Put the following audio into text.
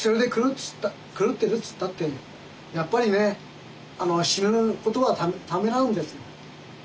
つったってやっぱりね死ぬことはためらうんですよ。